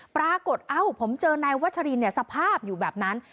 เอ้าผมเจอนายวัชรินสภาพอยู่แบบนั้น